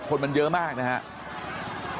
คนมันเยอะมากนะครับ